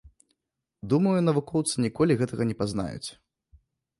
Думаю, навукоўцы ніколі гэтага не пазнаюць.